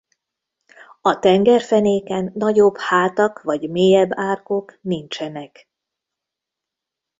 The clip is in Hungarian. A tengerfenéken nagyobb hátak vagy mélyebb árkok nincsenek.